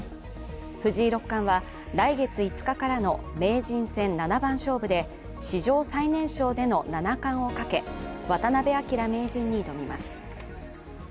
藤井六冠は、来月５日からの名人戦七番勝負で史上最年少での七冠をかけ渡辺明名人に挑みます。